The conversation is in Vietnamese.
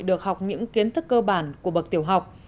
được học những kiến thức cơ bản của bậc tiểu học